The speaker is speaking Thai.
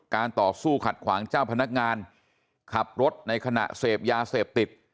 ต่อสู้ขัดขวางเจ้าพนักงานขับรถในขณะเสพยาเสพติด